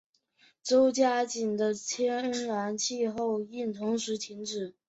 周家镇的天然气供应同时停止。